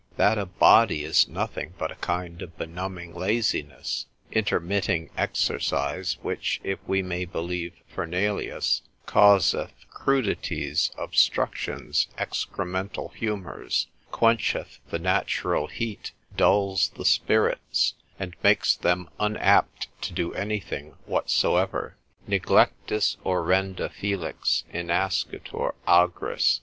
That of body is nothing but a kind of benumbing laziness, intermitting exercise, which, if we may believe Fernelius, causeth crudities, obstructions, excremental humours, quencheth the natural heat, dulls the spirits, and makes them unapt to do any thing whatsoever. Neglectis urenda filix innascitur agris.